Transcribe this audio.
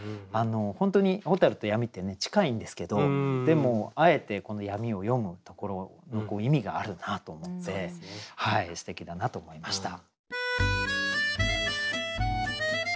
本当に蛍と闇って近いんですけどでもあえてこの闇を詠むところの意味があるなと思ってすてきだなと思いました。